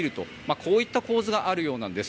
こういった構図があるようなんです。